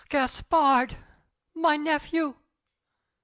Gaspard! My nephew!